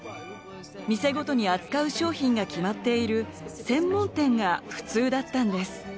店ごとに扱う商品が決まっている「専門店」が普通だったんです。